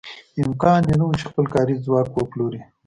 امکان یې نه و چې خپل کاري ځواک وپلوري.